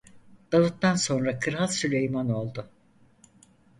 Davud'dan sonra kral Süleyman oldu.